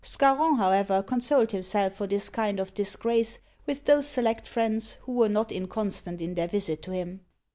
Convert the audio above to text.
Scarron, however, consoled himself for this kind of disgrace with those select friends who were not inconstant in their visits to him.